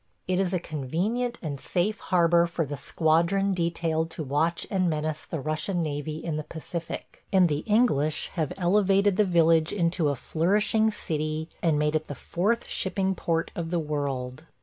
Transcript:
It is a convenient and safe harbor for the squadron detailed to watch and menace the Russian navy in the Pacific; and the English have elevated the village into a flourishing city and made it the fourth shipping port of the world.